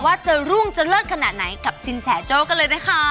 ว่าจะรุ่งจะเลิกขนาดไหนกับสินแสโจ้กันเลยนะคะ